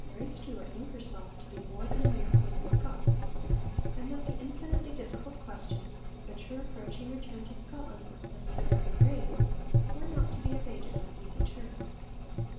Knox, however, had now fair warning that Mary Stuart knew herself to be more than a mere Queen of Scots, and that the infinitely difficult questions, which her approaching return to Scotland must necessarily raise, were not to be evaded on easy terms.